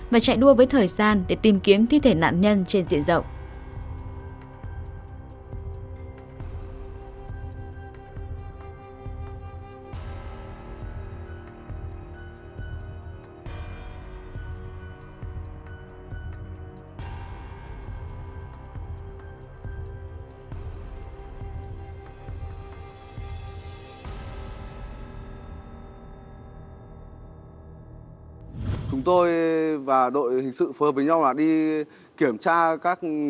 và chạy đua với thời gian để tìm kiếm thi thể nạn nhân trên diện rộng